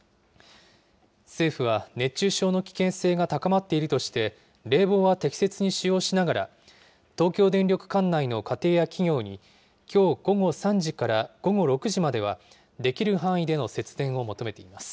政府は熱中症の危険性が高まっているとして、冷房は適切に使用しながら、東京電力管内の家庭や企業に、きょう午後３時から午後６時までは、できる範囲での節電を求めています。